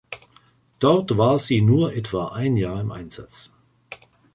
Dort war sie nur etwa ein Jahr im Einsatz.